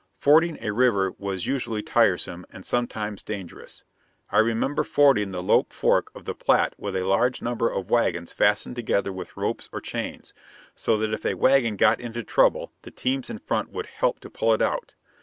Fording a river was usually tiresome, and sometimes dangerous. I remember fording the Loup fork of the Platte with a large number of wagons fastened together with ropes or chains, so that if a wagon got into trouble the teams in front would help to pull it out.